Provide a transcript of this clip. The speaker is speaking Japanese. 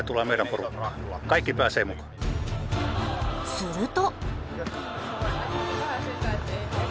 すると。